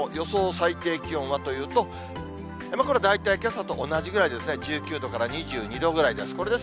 最低気温はというと、これ大体、けさと同じくらいで１９度から２２度ぐらいです。